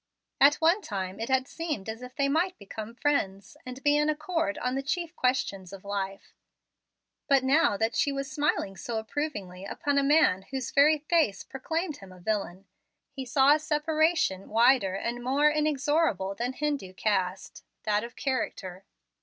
At one time it had seemed as if they might become friends, and be in accord on the chief questions of life. But now that she was smiling so approvingly upon a man whose very face proclaimed him villain, he saw a separation wider and more inexorable than Hindu caste, that of character.